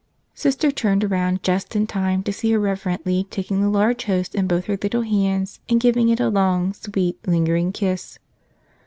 Sister turned around just in time to see her reverently take the large host in both her little hands and give it a long, sweet, lingering kiss.